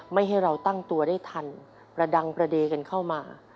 ไม่ให้เราตั้งตัวได้ทันประดังประเด็นกันเข้ามา